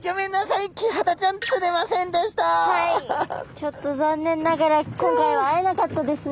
ちょっと残念ながら今回は会えなかったですね。